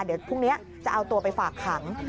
เดี๋ยวพรุ่งนี้จะเอาตัวไปฝากขัง